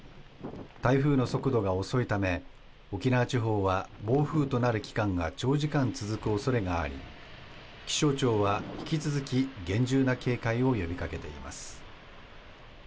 台風の速度が遅いため沖縄地方は暴風となる期間が長時間続くおそれがあり、気象庁は引き続き厳重な警戒を呼びかけています。